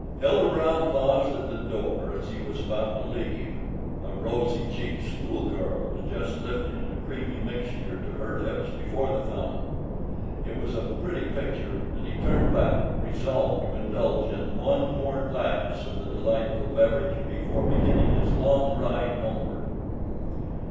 Elder Brown paused at the door as he was about to leave. A rosy cheeked schoolgirl was just lifting a creamy mixture to her lips before the fountain. It was a pretty picture, and he turned back, resolved to indulge in one more glass of the delightful beverage before beginning his long ride homeward.